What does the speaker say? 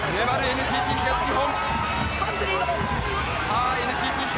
ＮＴＴ東日本！